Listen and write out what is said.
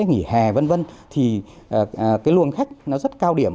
nghỉ hè v v thì cái luồng khách nó rất cao điểm